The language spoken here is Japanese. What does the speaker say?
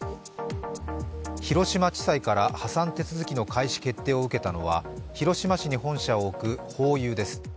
広島地裁から破産手続きの開始決定を受けたのは、広島市に本社を置くホーユーです。